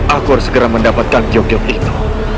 aku harus segera mendapatkan diok dok itu